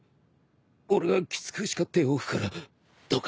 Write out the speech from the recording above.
俺がきつく叱っておくからどうか今は。